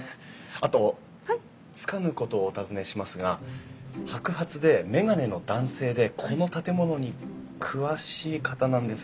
あとつかぬ事をお尋ねしますが白髪で眼鏡の男性でこの建物に詳しい方なんですがご存じないですか？